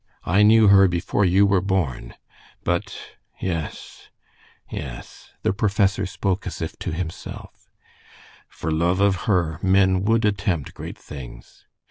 I knew her before you were born. But yes, yes " the professor spoke as if to himself "for love of her men would attempt great things.